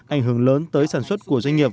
ảnh hưởng lớn tới sản xuất của doanh nghiệp